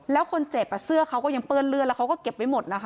แล้วคนเจ็บเสื้อเขาก็ยังเปื้อนเลือดแล้วเขาก็เก็บไว้หมดนะคะ